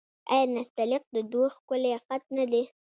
آیا نستعلیق د دوی ښکلی خط نه دی؟